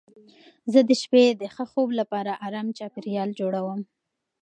زه د شپې د ښه خوب لپاره ارام چاپېریال جوړوم.